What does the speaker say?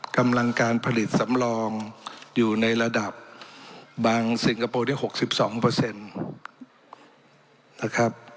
กำลังการผลิตสำรองอยู่ในระดับบางสิงคโปร์ได้๖๒นะครับ